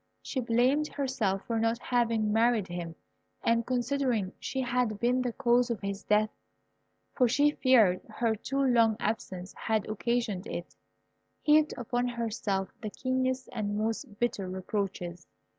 She blamed herself for not having married him, and considering she had been the cause of his death (for she feared her too long absence had occasioned it), heaped upon herself the keenest and most bitter reproaches.